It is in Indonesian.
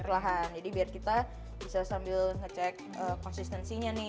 perlahan jadi biar kita bisa sambil ngecek konsistensinya nih